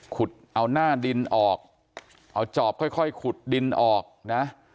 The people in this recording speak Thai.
ขุดเอาหน้าดินออกเอาจอบค่อยขุดดินออกนะ